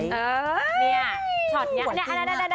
แม่ถูกกว่าจริงอะ